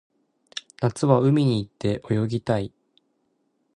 夏は海に行って泳ぎたい